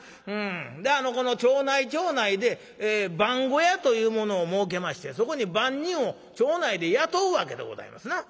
でこの町内町内で番小屋というものを設けましてそこに番人を町内で雇うわけでございますな。